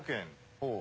ほう。